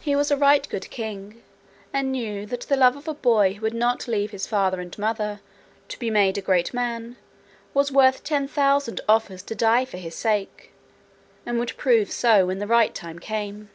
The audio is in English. He was a right good king and knew that the love of a boy who would not leave his father and mother to be made a great man was worth ten thousand offers to die for his sake, and would prove so when the right time came.